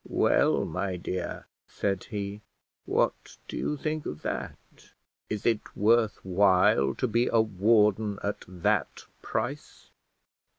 "Well, my dear," said he, "what do you think of that; is it worth while to be a warden at that price?"